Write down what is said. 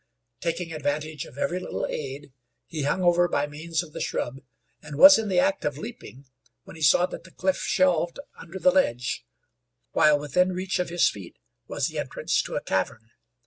Taking advantage of every little aid, he hung over by means of the shrub, and was in the act of leaping when he saw that the cliff shelved under the ledge, while within reach of his feet was the entrance to a cavern.